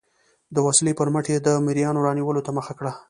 د وسلې پر مټ یې د مریانو رانیولو ته مخه کړه.